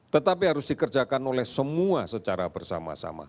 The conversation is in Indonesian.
tetapi harus dikerjakan oleh semua secara bersama sama